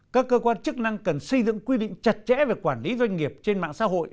các cơ quan chức năng cần xây dựng quy định chặt chẽ về quản lý doanh nghiệp trên mạng xã hội